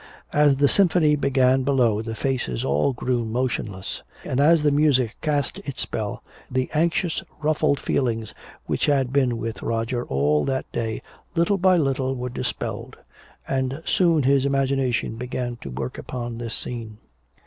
As the symphony began below the faces all grew motionless. And as the music cast its spell, the anxious ruffled feelings which had been with Roger all that day little by little were dispelled, and soon his imagination began to work upon this scene.